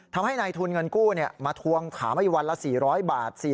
ทำให้นายทุนเงินกู้มาทวงถามให้วันละ๔๐๐บาท